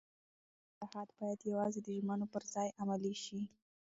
اداري اصلاحات باید یوازې د ژمنو پر ځای عملي شي